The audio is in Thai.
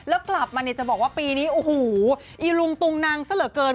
แล้วกลับมาจะบอกว่าปีนี้อีรุงตุงนังเสร็จเกิน